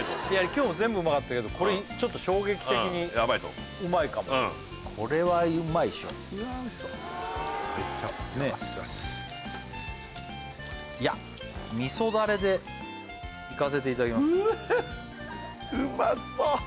今日も全部うまかったけどこれちょっと衝撃的にうまいかもヤバイぞこれはうまいっしょいやおいしそうねぇいやみそダレでいかせていただきますウハッ